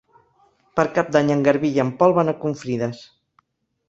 Per Cap d'Any en Garbí i en Pol van a Confrides.